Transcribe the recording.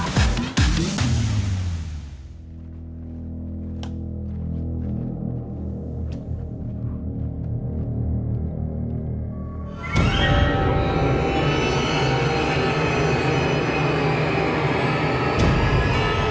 เมื่อเรานมา